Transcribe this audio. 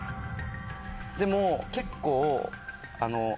でも結構。